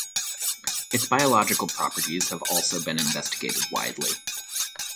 Its biological properties have also been investigated widely.